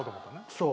そう。